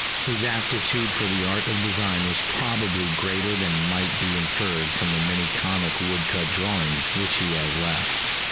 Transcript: His aptitude for the art of design was probably greater than might be inferred from the many comic woodcut drawings which he has left.